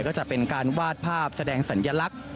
ก็จะเป็นการวาดภาพแสดงสัญลักษณ์